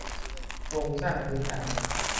โครงสร้างพื้นฐาน